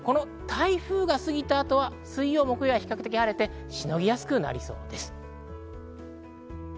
台風が過ぎた後は水曜、木曜は比較的晴れて、しのぎやすくなりそうです。